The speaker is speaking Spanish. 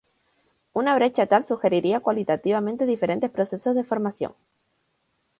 Una brecha tal sugeriría cualitativamente diferentes procesos de formación.